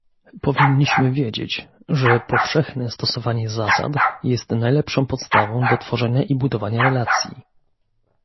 Powinniśmy wiedzieć, że powszechne stosowanie zasad jest najlepszą podstawą do tworzenia i budowania relacji